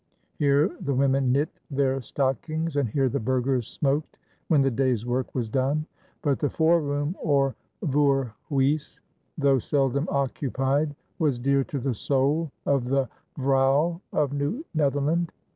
Here the women knit their stockings and here the burghers smoked when the day's work was done. But the fore room, or voorhuis, though seldom occupied, was dear to the soul of the vrouw of New Netherland.